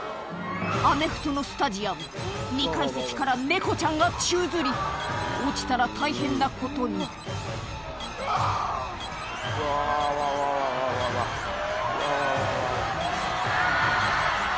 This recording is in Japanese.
アメフトのスタジアム２階席から猫ちゃんが宙づり落ちたら大変なことに・ノー！